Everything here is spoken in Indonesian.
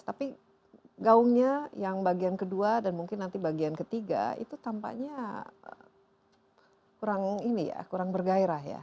tapi gaungnya yang bagian kedua dan mungkin nanti bagian ketiga itu tampaknya kurang ini ya kurang bergairah ya